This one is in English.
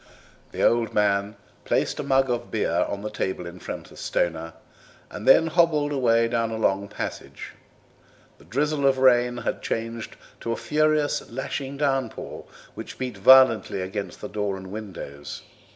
The old man placed a mug of beer on the table in front of Stoner and then hobbled away down a long passage. The drizzle of rain had changed to a furious lashing downpour, which beat violently against door and windows.